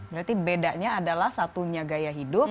berarti bedanya adalah satunya gaya hidup